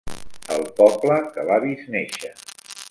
El poble que l'ha vist néixer.